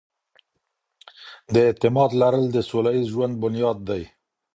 د اعتماد لرل د سوله ييز ژوند بنياد دی.